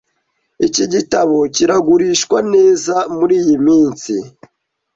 Iki gitabo kiragurishwa neza muriyi minsi.